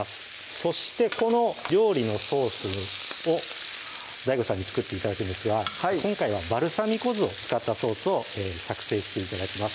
そしてこの料理のソースをＤＡＩＧＯさんに作って頂くんですが今回はバルサミコ酢を使ったソースを作成して頂きます